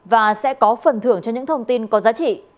và sẽ có phần thưởng cho những thông tin có giá trị